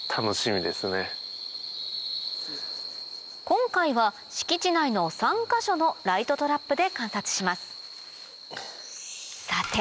今回は敷地内の３か所のライトトラップで観察します